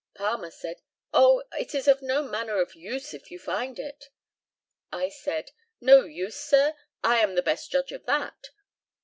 Palmer said, "Oh, it is of no manner of use if you find it." I said, "No use, Sir! I am the best judge of that."